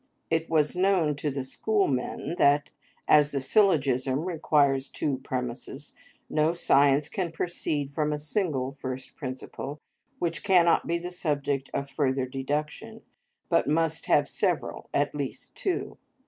It was known to the schoolmen,(19) that, as the syllogism requires two premises, no science can proceed from a single first principle which cannot be the subject of further deduction, but must have several, at least two.